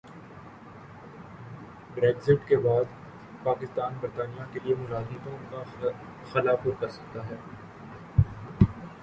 Brexit کے بعد پاکستان برطانیہ کیلئے ملازمتوں کا خلا پر کرسکتا ہے